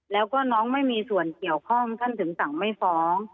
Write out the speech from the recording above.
แล้วก็น้องไม่มีส่วนเกี่ยวข้องท่านถึงสั่งไม่ฟ้อง